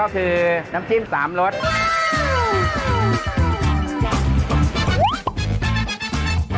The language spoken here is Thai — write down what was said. ปู่พญานาคี่อยู่ในกล่อง